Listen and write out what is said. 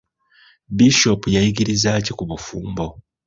Bishop yayigiriza ki ku bufumbo?